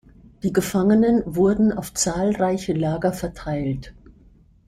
Die Gefangenen wurden auf zahlreiche Lager verteilt.